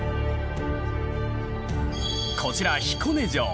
こちら彦根城